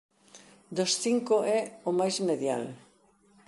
Dos cinco é o máis medial.